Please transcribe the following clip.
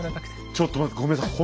ちょっと待ってごめんなさい